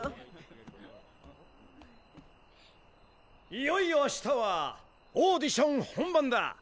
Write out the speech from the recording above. いよいよあしたはオーディション本番だ。